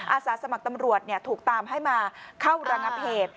อาสาสมัครตำรวจถูกตามให้มาเข้าระงับเหตุ